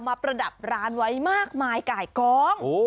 ประดับร้านไว้มากมายไก่กอง